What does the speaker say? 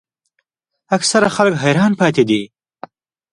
اکثره خلک حیران پاتې دي.